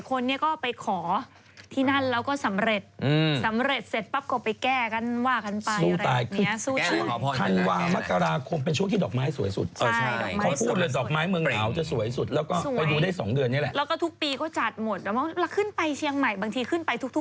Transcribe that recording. คนเนี้ยก็ไปขอที่นั่นแล้วก็สำเร็จอืมสำเร็จเสร็จปั๊บก็ไปแก้กันว่าคันปายอะไรแบบเนี้ยสู้ชื่อคันว่ามะกราคมเป็นช่วงที่ดอกไม้สวยสุดอ๋อใช่ดอกไม้สวยสุดพูดเลยดอกไม้เมืองลาวจะสวยสุดแล้วก็ไปดูได้สองเงินนี่แหละแล้วก็ทุกปีก็จัดหมดแล้วบางทีขึ้นไปเชียงใหม่บางทีขึ้นไปทุกทุก